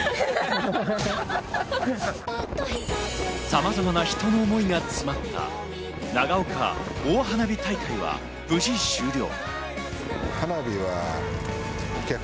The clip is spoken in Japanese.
さまざまな人の思いが詰まった長岡大花火大会は無事終了。